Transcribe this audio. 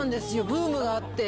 ブームがあって。